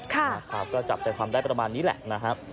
ก็จับใจความได้ประมาณนี้แหละนะฮะ